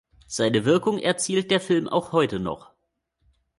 Seine Wirkung erzielt der Film auch heute noch.